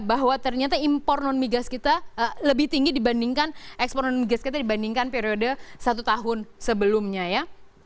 bahwa ternyata impor non migas kita lebih tinggi dibandingkan ekspor non migas kita dibandingkan periode satu tahun sebelumnya ya